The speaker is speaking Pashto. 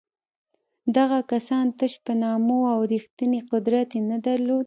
دغه کسان تش په نامه وو او رښتینی قدرت یې نه درلود.